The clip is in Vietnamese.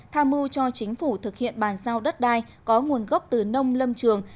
tham mưu cho chính phủ thực hiện bàn giao đất đai có nguồn gốc từ nông lâm trường